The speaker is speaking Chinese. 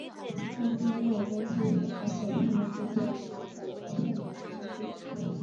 但通过分析可发现它们之间存在着共同之处。